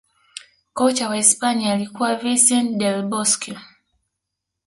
kocha wa hisipania alikuwa vincent del bosque